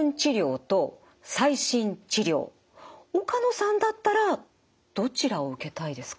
岡野さんだったらどちらを受けたいですか？